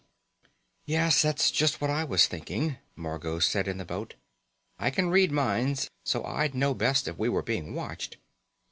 "Yes, that's just what I was thinking," Margot said in the boat. "I can read minds, so I'd know best if we were being watched.